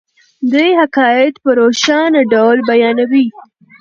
دی حقایق په روښانه ډول بیانوي.